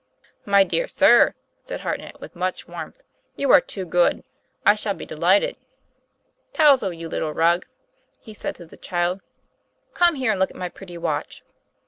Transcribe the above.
'My dear sir," said Hartnett with much warmth, 'you are too good; I shall be delighted. Touzle, you little rogue," he said to the child, "come here and look at my pretty watch."